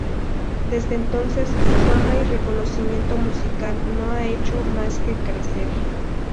Desde entonces su fama y reconocimiento musical no ha hecho más que crecer.